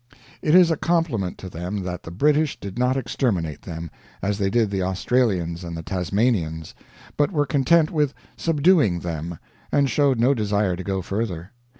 It is a compliment to them that the British did not exterminate them, as they did the Australians and the Tasmanians, but were content with subduing them, and showed no desire to go further.